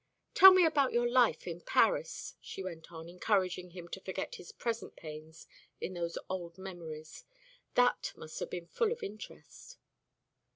"Tell me about your life in Paris," she went on, encouraging him to forget his present pains in those old memories. "That must have been full of interest."